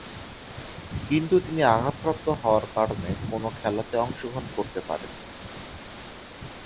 কিন্তু তিনি আঘাতপ্রাপ্ত হওয়ার কারণে কোন খেলাতে অংশগ্রহণ করতে পারেননি।